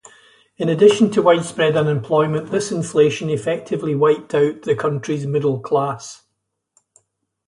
In addition to widespread unemployment, this inflation effectively wiped out the country's middle class.